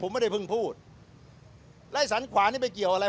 ผมไม่ได้เพิ่งพูดไล่สันขวานี่ไม่เกี่ยวอะไร